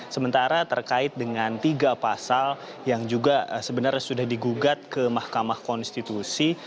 sementara terkait dengan tiga pasal yang juga sebenarnya sudah digugat ke mahkamah konstitusi